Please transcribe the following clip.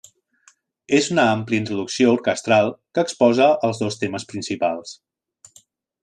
És una àmplia introducció orquestral que exposa els dos temes principals.